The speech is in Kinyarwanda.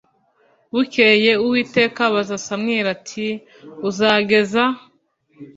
Bukeye uwiteka abaza samweli ati uzageza